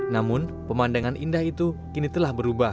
namun pemandangan indah itu kini telah berubah